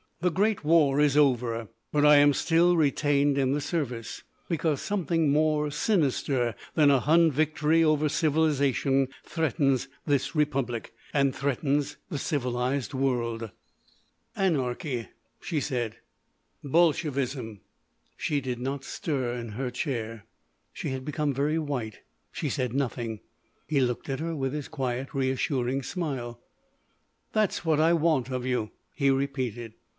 "The great war is over; but I am still retained in the service. Because something more sinister than a hun victory over civilisation threatens this Republic. And threatens the civilised world." "Anarchy," she said. "Bolshevism." She did not stir in her chair. She had become very white. She said nothing. He looked at her with his quiet, reassuring smile. "That's what I want of you," he repeated.